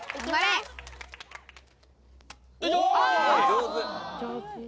上手。